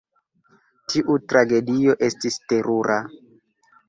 Tiu tragedio estis terura.